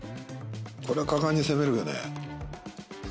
これは果敢に攻めるよね。